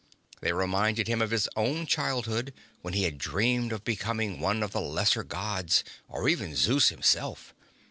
They reminded him of his own childhood, when he had dreamed of becoming one of the Lesser Gods, or even Zeus himself!